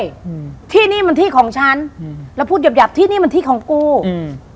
อืมที่นี่มันที่ของฉันอืมแล้วพูดหับที่นี่มันที่ของกูอืม